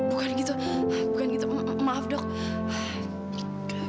bukan gitu bukan gitu maaf dok